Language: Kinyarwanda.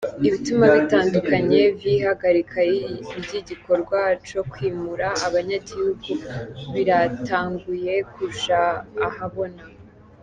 Ibituma bitandukanye vy'ihagarika ry'igikorwa co kwimura abanyagihugu biratanguye kuja ahabona.